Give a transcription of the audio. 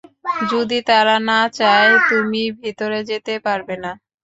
যদি তারা না চায়, তুমি ভিতরে যেতে পারবে না।